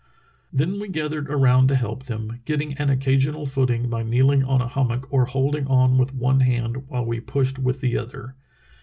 Then we gathered around to help them, getting an occasional footing by kneeling on a hummock or holding on with one hand while we pushed with the other.